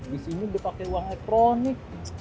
di sini udah pakai uang elektronik